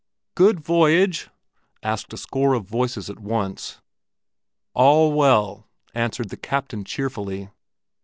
"Good voyage?" asked a score of voices at once. "All well!" answered the captain cheerfully.